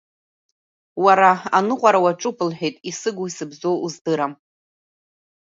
Уара аныҟәара уаҿуп, — лҳәеит, исыгу-исыбзоу уздырам.